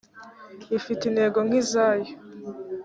ifite intego nk izayo